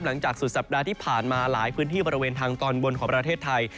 หลังจากสุดสัปดาห์ที่ผ่านมาหลายพื้นที่บริเวณทางตอนบนของประเทศไทย